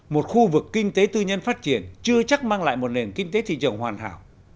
một khu vực kinh tế tư nhân phát triển chưa chắc mang lại một nền kinh tế thị trường hoàn hảo